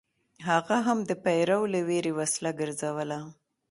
هغه هم د پیرو له ویرې وسله ګرځوله.